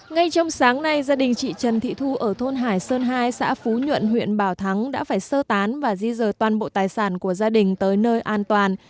ngay trong sáng nay gia đình chị trần thị thu ở thôn hải sơn hai xã phú nhuận huyện bảo thắng đã phải sơ tán và di dời toàn bộ tài sản của gia đình tới nơi an toàn